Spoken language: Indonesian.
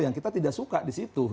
yang kita tidak suka di situ